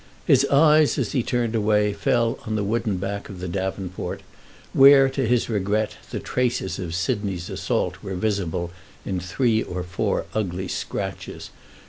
His eyes as he turned away fell on the wooden back of the davenport, where, to his regret, the traces of Sidney's assault were visible in three or four ugly scratches.